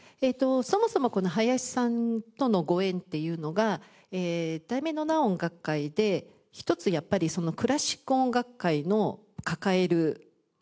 そもそもこの林さんとのご縁っていうのが『題名のない音楽会』でひとつやっぱりクラシック音楽界の抱える問題に気づいたとこなんですね。